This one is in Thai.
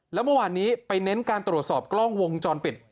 แล้วเมื่อวานนี้ไปเน้นการตรวจสอบกล้องวงจรปิด